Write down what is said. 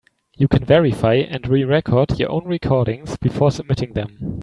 You can verify and re-record your own recordings before submitting them.